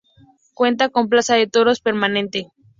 Cuenta con plaza de toros permanente.